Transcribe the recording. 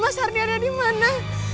mas ardi ada dimana